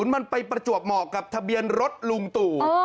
มันไปประจวบเหมาะกับทะเบียนรถลุงตู่